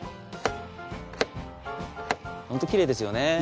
ホントきれいですよね。